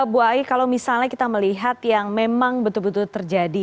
bu ai kalau misalnya kita melihat yang memang betul betul terjadi